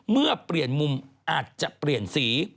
เมื่อเปลี่ยนมุมอาจจะเปลี่ยนสี